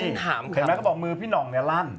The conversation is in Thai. เห็นไหมเค้าบอกว่ามือพี่นองนี่รั่น